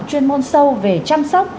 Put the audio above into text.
chuyên môn sâu về chăm sóc